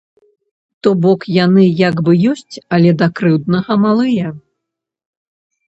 То бок яны як бы ёсць, але да крыўднага малыя.